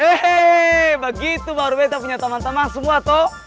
eh begitu baru beta punya teman teman semua toh